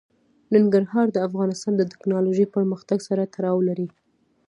ننګرهار د افغانستان د تکنالوژۍ پرمختګ سره تړاو لري.